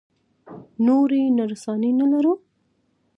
نورې نرسانې نه لرو؟